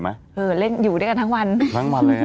เหมือนหยุดลากกันทั้งวัน